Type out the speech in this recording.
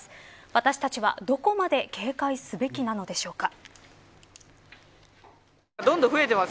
私たちは、どこまで警戒すべきなのでしょうか。